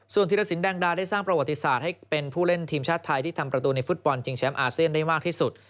ส่วนธิรสินแดงดาได้สร้างประวัติศาสตร์ให้เป็นผู้เล่นทีมชาติไทยที่ทำประตูในฟุตบอลชิงแชมป์อาเซียนได้มากที่สุด